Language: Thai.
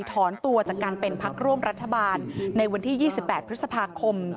ถอนตัวจากการเป็นพักร่วมรัฐบาลในวันที่๒๘พฤษภาคม